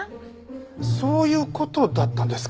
そういう事だったんですか？